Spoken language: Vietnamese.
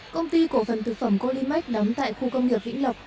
công ty cổ phần thực phẩm colimac nắm tại khu công nghiệp vĩnh lộc